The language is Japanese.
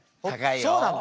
そうなの。